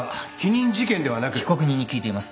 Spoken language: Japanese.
被告人に聞いています。